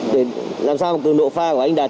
để làm sao mà cường độ pha của anh đạt